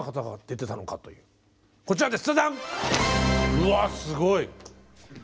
うわすごい！